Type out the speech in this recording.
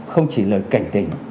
không chỉ lời cảnh tình